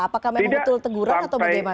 apakah memang betul teguran atau bagaimana